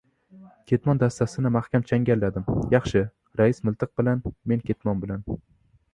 Ketmon dastasini mahkam changalladim. Yaxshi! Rais miltiq bilan, men ketmon bilan!